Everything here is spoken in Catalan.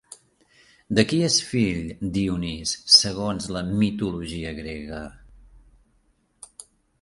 De qui és fill Dionís segons la mitologia grega?